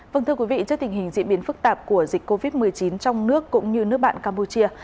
vâng thưa quý vị trước tình hình diễn biến phức tạp của dịch covid một mươi chín trong nước cũng như nước bạn campuchia